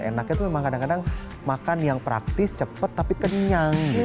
enaknya tuh memang kadang kadang makan yang praktis cepat tapi kenyang